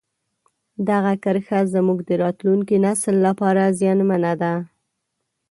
دغه کرښه زموږ د راتلونکي نسل لپاره زیانمنه ده.